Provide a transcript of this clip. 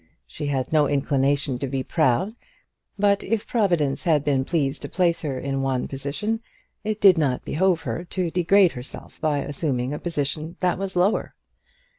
She had no inclination to be proud; but if Providence had been pleased to place her in one position, it did not behove her to degrade herself by assuming a position that was lower.